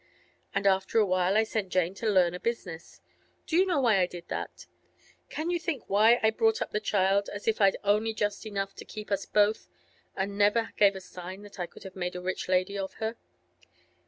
And after a while I sent Jane to learn a business. Do you know why I did that? Can you think why I brought up the child as if I'd only had just enough to keep us both, and never gave a sign that I could have made a rich lady of her?